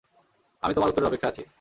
আমি তোমার উত্তরের অপেক্ষায় আছি।